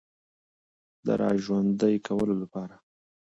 د را ژوندۍ کولو لپاره